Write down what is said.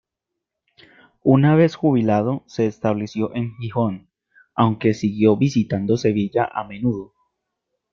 Una vez jubilado se estableció en Gijón, aunque siguió visitando Sevilla a menudo.